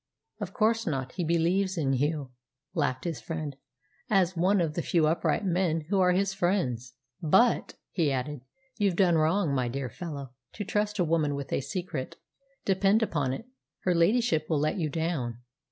"Of course not. He believes in you," laughed his friend, "as one of the few upright men who are his friends! But," he added, "you've done wrong, my dear fellow, to trust a woman with a secret. Depend upon it, her ladyship will let you down."